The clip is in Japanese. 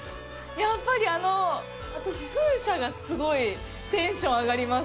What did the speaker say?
やっぱり、あの、私、風車がすごいテンション上がります。